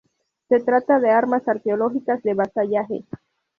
Se trata de armas arqueológicas de vasallaje.